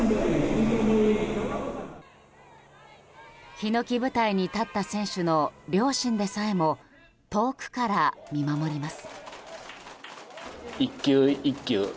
ひのき舞台に立った選手の両親でさえも遠くから見守ります。